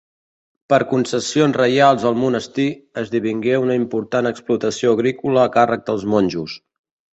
Per concessions reials al Monestir, esdevingué una important explotació agrícola a càrrec dels monjos.